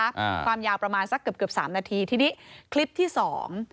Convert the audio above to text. อ่าความยาวประมาณสักเกือบเกือบสามนาทีทีนี้คลิปที่สอง